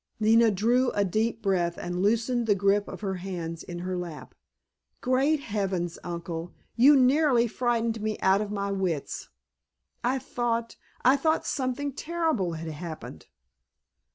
Nina drew a deep breath and loosed the grip of her hands in her lap. "Great heavens, Uncle, you nearly frightened me out of my wits. I thought—I thought something terrible had happened."